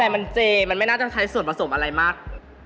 แต่มันเจมันไม่น่าจะใช้ส่วนผสมอะไรมาก